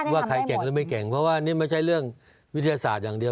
ว่าใครเก่งหรือไม่เก่งเพราะว่านี่ไม่ใช่เรื่องวิทยาศาสตร์อย่างเดียว